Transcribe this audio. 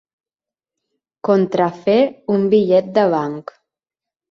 Contrafer un bitllet de banc.